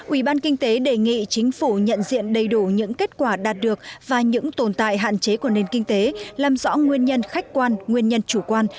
ubk đề nghị chính phủ nhận diện đầy đủ những kết quả đạt được và những tồn tại hạn chế của nền kinh tế làm rõ nguyên nhân khách quan nguyên nhân chủ quan